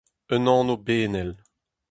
Un anv benel.